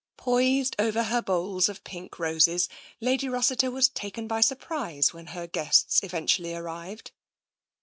Poised over her bowls of pink roses. Lady Rossiter was taken by surprise when her guests eventually ar rived.